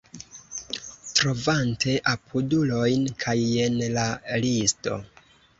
Trovante apudulojn kaj jen la listo